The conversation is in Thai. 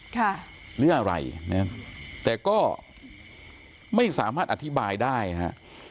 ค่ะหรืออะไรนะครับแต่ก็ไม่สามารถอธิบายได้ฮะ